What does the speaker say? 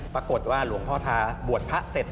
ปรากฏว่าหลวงพ่อทาบวชพระเสร็จ